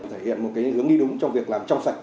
thể hiện một hướng đi đúng trong việc làm trong sạch